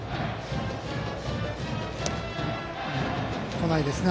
来ないですね